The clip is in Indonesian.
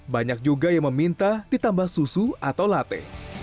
banyak juga yang meminta ditambah susu atau latte